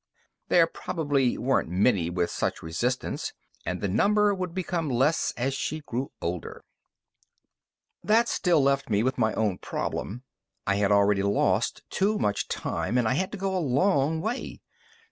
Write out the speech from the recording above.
There probably weren't many with such resistance, and the number would become less as she grew older. That still left me with my own problem. I had already lost too much time, and I had to go a long way.